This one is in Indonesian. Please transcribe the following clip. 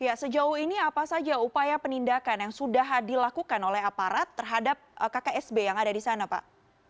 ya sejauh ini apa saja upaya penindakan yang sudah dilakukan oleh aparat terhadap kksb yang ada di sana pak